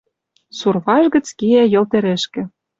Сурваж гӹц кеӓ Йыл тӹрӹшкӹ.